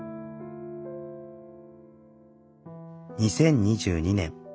２０２２年。